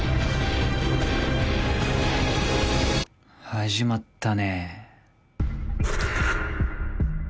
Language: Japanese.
始まったね。